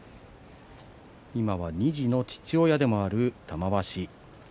今は２児の父親でもある玉鷲。